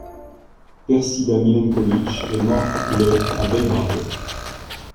Persida Milenković est morte le à Belgrade.